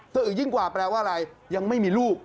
อึกยิ่งกว่าแปลว่าอะไรยังไม่มีลูก